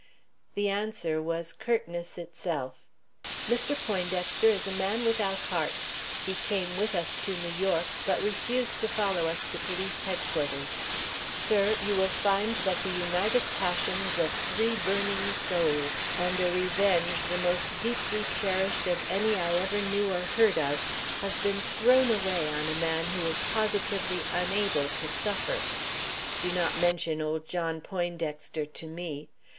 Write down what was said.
The answer was curtness itself: "Mr. Poindexter is a man without heart. He came with us to New York, but refused to follow us to Police Headquarters. Sir, you will find that the united passions of three burning souls, and a revenge the most deeply cherished of any I ever knew or heard of, have been thrown away on a man who is positively unable to suffer. Do not mention old John Poindexter to me.